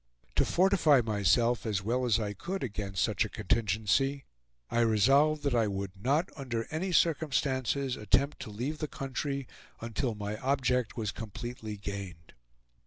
To fortify myself as well as I could against such a contingency, I resolved that I would not under any circumstances attempt to leave the country until my object was completely gained.